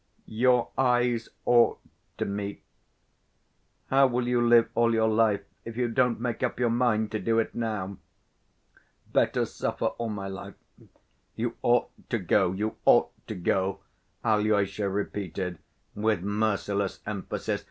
"Your eyes ought to meet. How will you live all your life, if you don't make up your mind to do it now?" "Better suffer all my life." "You ought to go, you ought to go," Alyosha repeated with merciless emphasis.